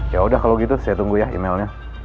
ya udah kalau gitu saya tunggu ya emailnya